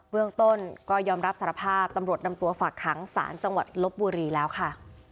เรื่องต้นก็ยอมรับสารภาพตำรวจนำตัวฝากขังศาลจังหวัดลบบุรีแล้วค่ะ